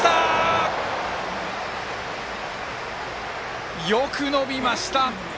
打球がよく伸びました。